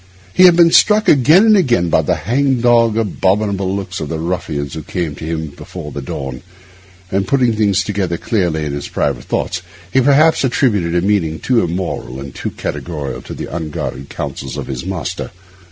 He had been struck again and again by the hang dog, abominable looks of the ruffians who came to him before the dawn; and putting things together clearly in his private thoughts, he perhaps attributed a meaning too immoral and too categorical to the unguarded counsels of his master.